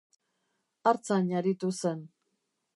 Artzain aritu zen.